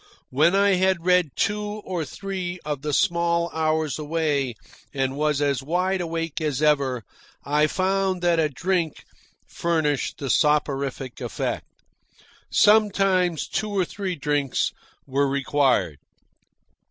When I had read two or three of the small hours away and was as wide awake as ever, I found that a drink furnished the soporific effect. Sometimes two or three drinks were required.